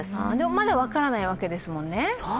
まだ分からないわけですもんね。